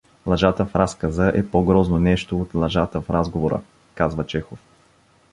Лъжата в разказа е по-грозно нещо от лъжата в разговора, казва Чехов.